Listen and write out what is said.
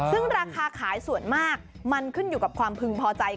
ซึ่งราคาขายส่วนมากมันขึ้นอยู่กับความพึงพอใจ